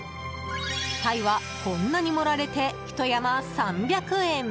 タイは、こんなに盛られてひと山３００円。